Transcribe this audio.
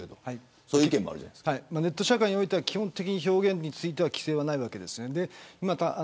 ネット社会においては基本的に表現については規制はないです。